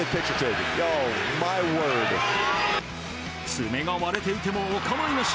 爪が割れていてもお構いなし。